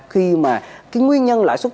khi mà cái nguyên nhân lạ súc